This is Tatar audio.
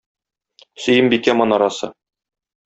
Сөембикә манарасы.